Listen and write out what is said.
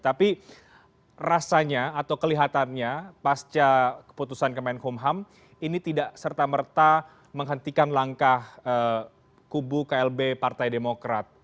tapi rasanya atau kelihatannya pasca keputusan kemenkumham ini tidak serta merta menghentikan langkah kubu klb partai demokrat